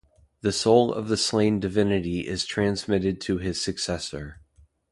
The soul of the slain divinity is transmitted to his successor.